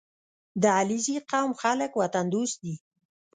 • د علیزي قوم خلک وطن دوست دي.